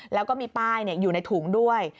แล้วก็มีป้ายอยู่ในถุงด้วย